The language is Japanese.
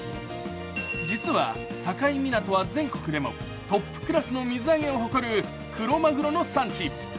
実は境港は全国でもトップクラスの水揚げを誇るクロマグロの産地。